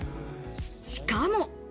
しかも。